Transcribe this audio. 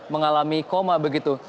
mengalami koma begitu